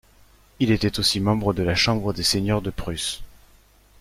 Il était aussi membre de la chambre des seigneurs de Prusse.